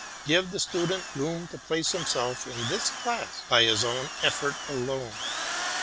Give the Student room to place himself in this class by his own effort alone.